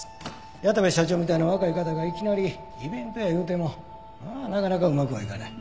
矢田部社長みたいな若い方がいきなりイベントや言うてもなかなかうまくはいかない。